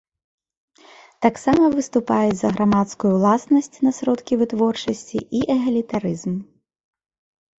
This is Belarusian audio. Таксама выступаюць за грамадскую ўласнасць на сродкі вытворчасці і эгалітарызм.